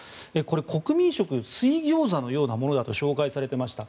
国民食、水餃子のようなものだと紹介されていました。